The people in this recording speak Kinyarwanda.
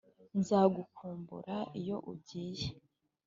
nzagukumbura iyo ugiye.